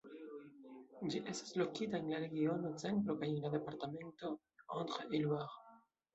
Ĝi estas lokita en la regiono Centro kaj en la departemento Indre-et-Loire.